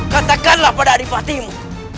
katakanlah pada adipatimu